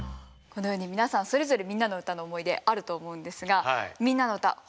このように皆さんそれぞれ「みんなのうた」の思い出あると思うんですが「みんなのうた」